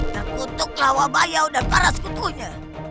terkutuklah wabayau dan para sekutunya